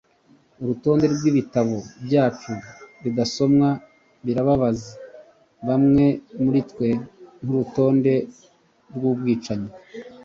Urutonde rwibitabo byacu bidasomwe birababaza bamwe muritwe nkurutonde rwubwicanyi